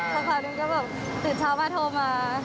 พอคราวนี้ก็แบบตื่นเช้ามาโทรมา